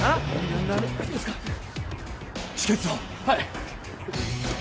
はい。